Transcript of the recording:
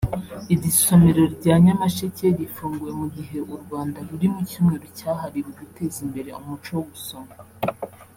Iri somero rya Nyamasheke rifunguwe mu gihe u Rwanda ruri mu Cyumweru cyahariwe guteza imbere umuco wo gusoma